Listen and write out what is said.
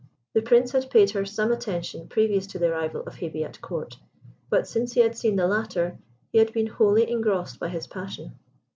The Prince had paid her some attention previous to the arrival of Hebe at Court; but since he had seen the latter, he had been wholly engrossed by his passion.